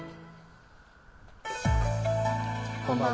こんばんは。